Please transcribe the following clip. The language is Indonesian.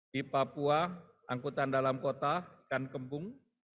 di papua angkutan dalam kota ikan kembung